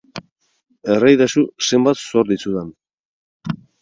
Erraidazu zenbat zor dizudan.